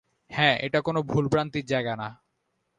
হ্যাঁ এটা কোন ভুল-ভ্রান্তির জায়গা না।